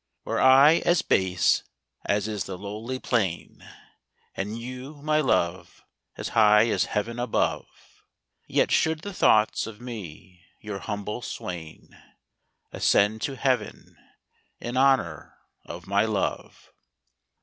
Were I as base as is the lowly plain, And you, my Love, as high as heaven above, Yet should the thoughts of me your humble swain Ascend to heaven, in honour of my Love.